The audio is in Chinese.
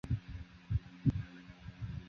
日本学士院奖是日本学士院颁发的奖章。